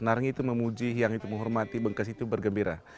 naring itu memuji hiang itu menghormati bengkes itu bergembira